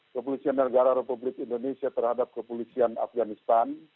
kepolisian negara republik indonesia terhadap kepolisian afganistan